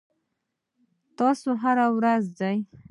تاسو هره ورځ ځئ؟